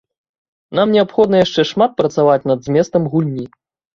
Нам неабходна яшчэ шмат працаваць над зместам гульні.